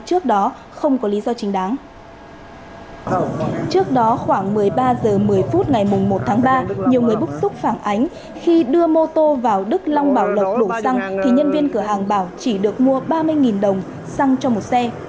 trước đó khoảng một mươi ba h một mươi phút ngày một tháng ba nhiều người bức xúc phản ánh khi đưa mô tô vào đức long bảo lộc đổ xăng thì nhân viên cửa hàng bảo chỉ được mua ba mươi đồng xăng cho một xe